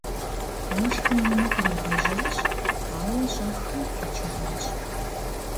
Уэшхым ину къригъэжьащ, ауэ щӏэхыу пичыжащ.